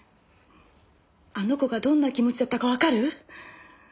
あの子がどんな気持ちだったかわかる？